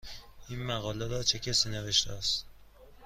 این مقاله را چه کسی نوشته است؟